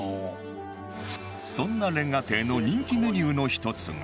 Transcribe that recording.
そんな瓦亭の人気メニューの１つが